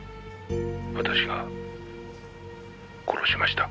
「私が殺しました」